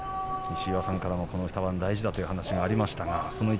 西岩さんからもこの一番、大事だというお話がありました。